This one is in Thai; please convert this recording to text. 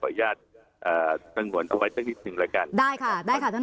อนุญาตอ่าสงวนเอาไว้สักนิดหนึ่งแล้วกันได้ค่ะได้ค่ะท่าน